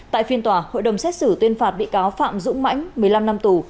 tại phiên tòa hội đồng xét xử tuyên phạt bị cáo phạm dũng mãnh một mươi năm năm tù